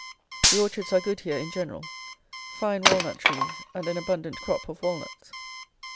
The orchards are good here in general. Fine walnut trees, and an abundant crop of walnuts.